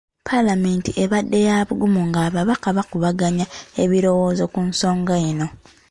Paalamenti ebadde ya bbugumu ng’ababaka bakubaganya ebirowoozo ku nsonga eno.